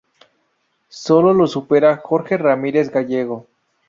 Solo lo supera Jorge Ramírez Gallego.